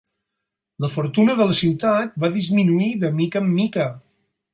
La fortuna de la ciutat va disminuir de mica en mica.